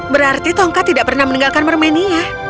berarti tongkat tidak pernah meninggalkan mermenia